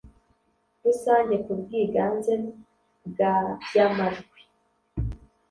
Rusange ku bwiganze bwa by amajwi